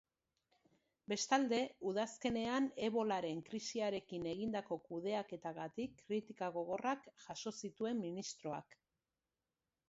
Bestalde, udazkenean ebolaren krisiarekin egindako kudeaketagatik kritika gogorrak jaso zituen ministroak.